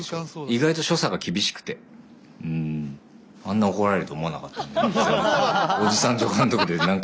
意外と所作が厳しくてあんな怒られると思わなかった。